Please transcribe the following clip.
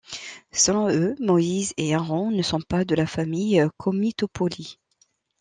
Selon eux, Moïse et Aaron ne sont pas de la famille Komitópouli.